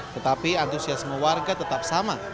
tetapi antusiasme warga tetap sama